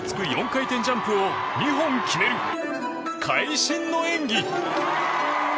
４回転ジャンプを２本決める会心の演技！